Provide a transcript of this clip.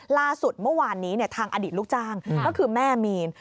ล่าสุดเมื่อวานนี้ทางอดีตลูกจ้างก็คือแม่มีน